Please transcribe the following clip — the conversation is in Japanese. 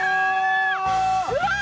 うわ！